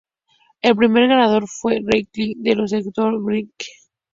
El primer ganador fue Red Kelly de los Detroit Red Wings.